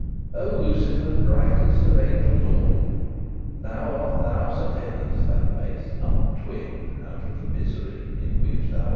O Lucifer! brightest of angels all, Now art thou Satanas, that may'st not twin* *depart Out of the misery in which thou art fall.